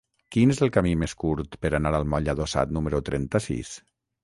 Quin és el camí més curt per anar al moll Adossat número trenta-sis?